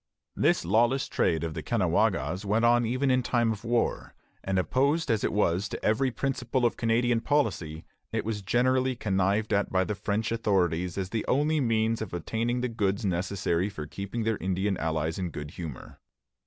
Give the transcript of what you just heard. This lawless trade of the Caughnawagas went on even in time of war; and opposed as it was to every principle of Canadian policy, it was generally connived at by the French authorities as the only means of obtaining the goods necessary for keeping their Indian allies in good humor.